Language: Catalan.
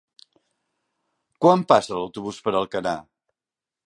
Quan passa l'autobús per Alcanar?